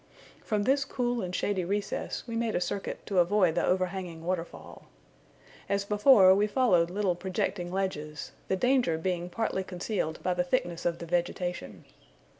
From this cool and shady recess we made a circuit to avoid the overhanging waterfall. As before, we followed little projecting ledges, the danger being partly concealed by the thickness of the vegetation.